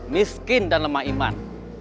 miskin dan lemah iman